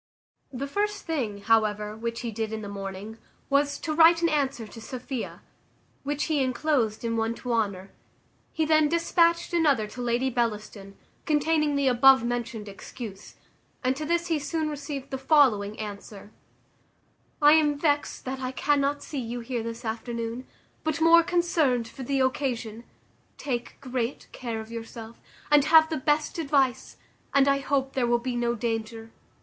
The first thing, however, which he did in the morning, was, to write an answer to Sophia, which he inclosed in one to Honour. He then despatched another to Lady Bellaston, containing the above mentioned excuse; and to this he soon received the following answer: "I am vexed that I cannot see you here this afternoon, but more concerned for the occasion; take great care of yourself, and have the best advice, and I hope there will be no danger.